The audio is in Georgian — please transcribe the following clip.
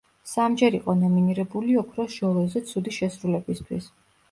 სამჯერ იყო ნომინირებული ოქროს ჟოლოზე ცუდი შესრულებისთვის.